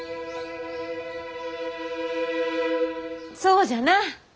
そうじゃな。